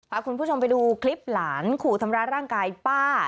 พาคุณผู้ชมไปดูคลิปหลานขู่ทำร้ายร่างกายป้า